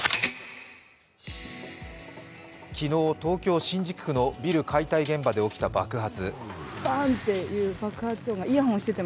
昨日、東京・新宿区のビル解体現場で起きた爆発。